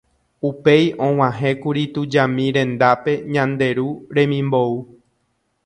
Upéi og̃uahẽkuri tujami rendápe Ñande Ru remimbou.